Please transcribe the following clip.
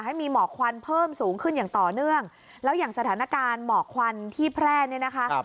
ให้มีหมอกควันเพิ่มสูงขึ้นอย่างต่อเนื่องแล้วอย่างสถานการณ์หมอกควันที่แพร่เนี่ยนะคะ